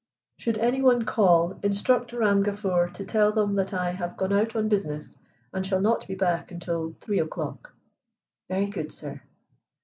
"Should any one call, instruct Ram Gafur to tell them that I have gone out on business, and shall not be back until three o'clock." "Very good, sir."